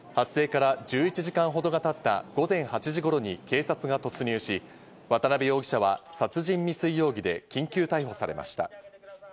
発生から１１時間ほどが経った午前８時頃に警察が突入し、渡辺容疑者は殺人未遂容疑で緊急逮捕されました。